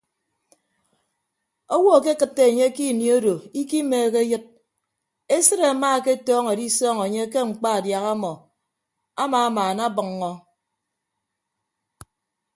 Owo akekịtte enye ini odo ikimeehe eyịd esịt amaaketọñọ edisọñ enye ke mkpa adiaha amọ amamaanabʌññọ.